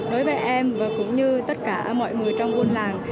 đối với em và cũng như tất cả mọi người trong buôn làng